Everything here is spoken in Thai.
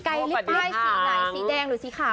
ไกลเลี่ยงป้ายสีไหลสีแดงหรือสีขาว